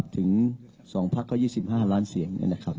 ถึง๒พัก๒๕ล้านเสียง